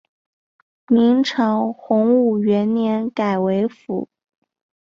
明朝洪武元年改为府。